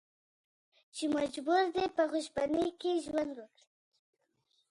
چې مجبور دي په خوشبینۍ کې ژوند وکړي.